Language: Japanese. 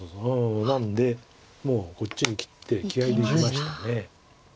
なんでもうこっちに切って気合いでいきました。